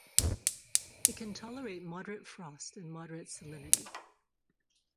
It can tolerate moderate frost and moderate salinity.